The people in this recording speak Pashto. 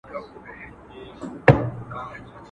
له ښكارونو به يې اخيستل خوندونه.